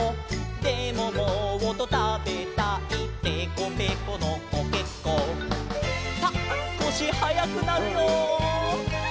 「でももっとたべたいぺこぺこのコケッコー」さあすこしはやくなるよ。